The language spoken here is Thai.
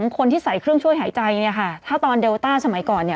เพื่อไม่ให้เชื้อมันกระจายหรือว่าขยายตัวเพิ่มมากขึ้น